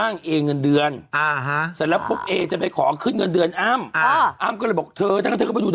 อ้าวแต่เขาก็รักกันจริงอู้